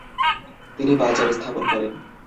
তিনি বাজার স্থাপন করেন।